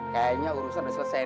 kayaknya urusan udah selesai nih